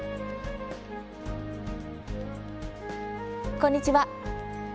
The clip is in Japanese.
こんにちは。